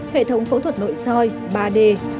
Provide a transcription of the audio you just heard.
hệ thống phẫu thuật nội soi ba d